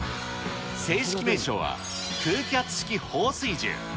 正式名称は空気圧式放水銃。